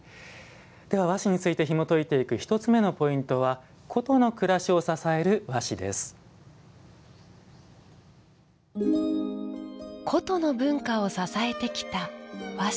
和紙について、ひもといていく１つ目のポイントは「古都の暮らしを支える和紙」。